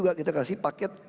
kita kasih paket